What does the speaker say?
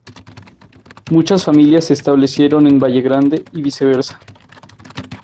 Muchas familias se establecieron en Vallegrande y viceversa.